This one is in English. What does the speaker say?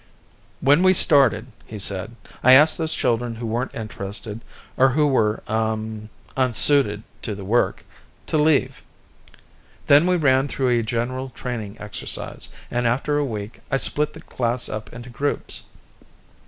"When we started," he said, "I asked those children who weren't interested, or who were um unsuited to the work, to leave. Then we ran through a general training exercise, and after a week, I split the class up into groups.